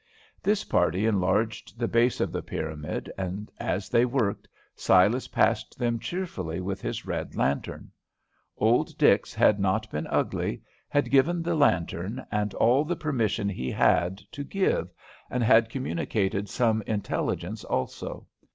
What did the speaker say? This party enlarged the base of the pyramid; and, as they worked, Silas passed them cheerfully with his red lantern. Old Dix had not been ugly, had given the lantern and all the permission he had to give, and had communicated some intelligence also.